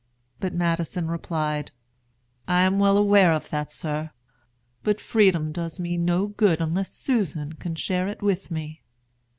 But Madison replied, "I am well aware of that, sir; but freedom does me no good unless Susan can share it with me."